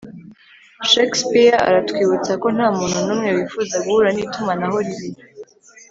shakespeare aratwibutsa ko nta muntu n'umwe wifuza guhura n'itumanaho ribi